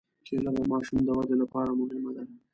کېله د ماشوم د ودې لپاره مهمه ده.